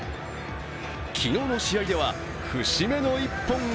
昨日の試合では節目の一本が。